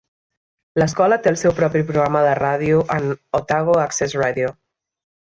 L'escola té el seu propi programa de ràdio en Otago Access Radio.